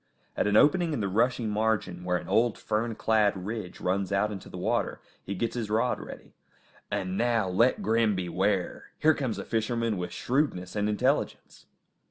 At an opening in the rushy margin, where an old, fern clad ridge runs out into the water, he gets his rod ready. And now let Grim beware! Here comes a fisherman with shrewdness and intelligence!